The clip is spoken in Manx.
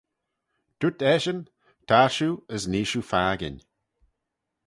"Dooyrt eshyn; ""Tar shiu as nee shiu fakin."